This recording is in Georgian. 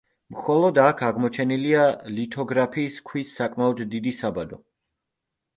მხოლოდ აქ აღმოჩენილია ლითოგრაფიის ქვის საკმაოდ დიდი საბადო.